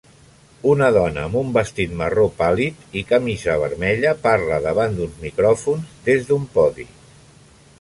Una dona amb vestit marró pàl·lid i camisa vermella parla davant d'uns micròfons des d'un podi.